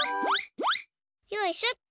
よいしょっと。